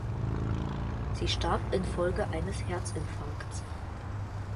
Sie starb in Folge eines Herzinfarkts.